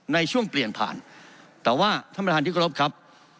ในช่วงเปลี่ยนผ่านแต่ว่าท่านประธานที่กรบครับ